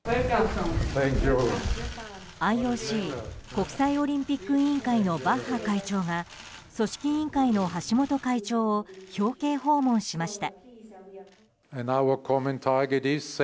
ＩＯＣ・国際オリンピック委員会のバッハ会長が組織委員会の橋本会長を表敬訪問しました。